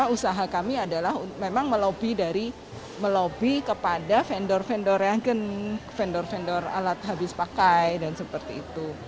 usaha kami adalah memang melobi kepada vendor vendor yang vendor vendor alat habis pakai dan seperti itu